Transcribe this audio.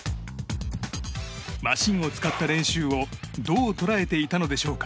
マシンを使った練習をどう捉えていたのでしょうか。